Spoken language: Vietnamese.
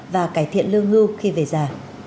và cải thiện lương hưu khi về già